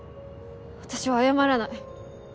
私は謝らない。